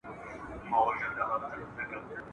چي د قلم د زیندۍ شرنګ دي له پېزوانه نه ځي !.